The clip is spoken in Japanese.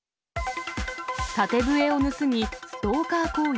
縦笛を盗みストーカー行為。